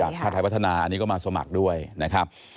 จากธาตุไทยพัฒนานี่ก็มาสมัครด้วยนะครับ